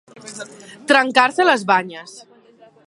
Trencar-se les banyes.